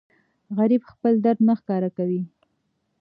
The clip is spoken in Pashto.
غریب خپل درد نه ښکاره کوي